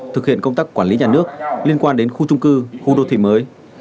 thực hiện công tác quản lý nhà nước liên quan đến khu trung cư khu đô thị mới